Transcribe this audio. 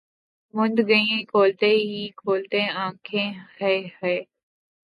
مُند گئیں کھولتے ہی کھولتے آنکھیں ہَے ہَے!